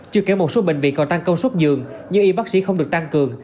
chưa kể một số bệnh viện còn tăng công suất dường nhưng y bác sĩ không được tăng cường